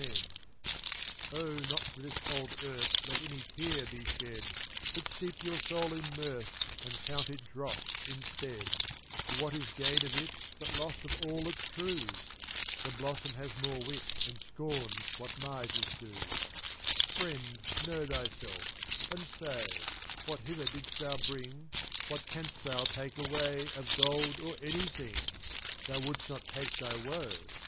mn§ 441 Oh, not for this old earth dDtttdf Let any tear be shed, ^ But steep your soul in mirth \J>^' And count it dross instead; For what is gain of it But loss of all that's true? The blossom has more wit, And scorns what misers do. 442 Friend, know thyself; and say What hither didst thou bring. What canst thou take away Of gold or anything? Thou wouldst not take thy woe.